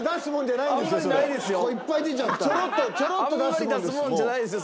あんまり出すもんじゃないですよ